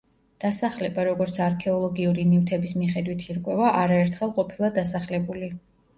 დასახლება, როგორც არქეოლოგიური ნივთების მიხედვით ირკვევა, არაერთხელ ყოფილა დასახლებული.